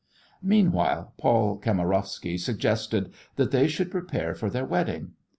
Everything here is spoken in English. Meanwhile, Paul Kamarowsky suggested that they should prepare for their wedding.